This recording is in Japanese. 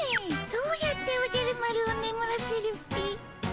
どうやっておじゃる丸をねむらせるっピ？